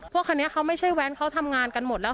พวกคันนี้เขาไม่ใช่แว้นเขาทำงานกันหมดแล้ว